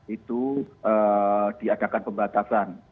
itu diadakan pembatasan